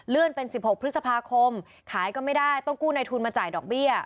เป็น๑๖พฤษภาคมขายก็ไม่ได้ต้องกู้ในทุนมาจ่ายดอกเบี้ย